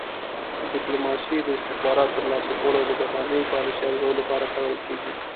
ډیپلوماسي د استخباراتو ترلاسه کولو او د بهرنۍ پالیسۍ ارزولو لپاره کارول کیږي